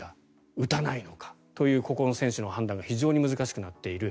打たないのかというここの選手の判断が非常に難しくなっている。